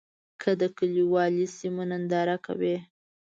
که د کلیوالي سیمو ننداره کوې.